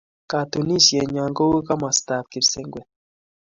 Katunisienyo ko u komastap kipsengwet